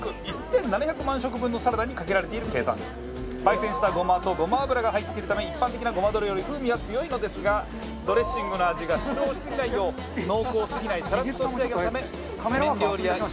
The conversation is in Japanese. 焙煎したごまとごま油が入っているため一般的なごまドレより風味が強いのですがドレッシングの味が主張しすぎないよう濃厚すぎないサラッと仕上げのため麺料理や炒め物にもよく絡みます。